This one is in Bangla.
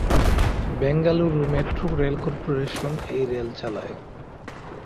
বেঙ্গালুরু মেট্রো রেল কর্পোরেশন এই রেল চালায়।